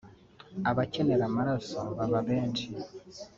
abacyenera amaraso baba benshi